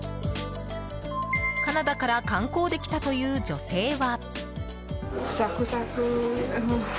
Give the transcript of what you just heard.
カナダから観光で来たという女性は。